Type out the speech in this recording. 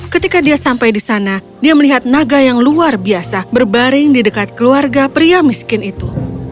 ketika dia sampai di sana dia melihat naga yang luar biasa berbaring di dekat keluarga pria miskin itu